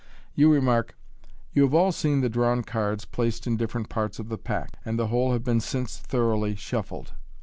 You remark, " You have all seen the drawn cards placed in different parts of the pack, *nd the whole have been since thoroughly shuffled.